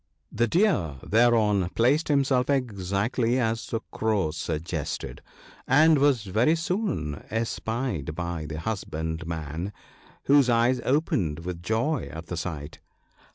' The Deer thereon placed himself exactly as the Crow suggested, and was very soon espied by the husbandman, whose eyes opened with joy at the sight.